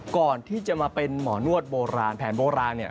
ก่อนที่จะมาเป็นหมอนวดโบราณแผนโบราณเนี่ย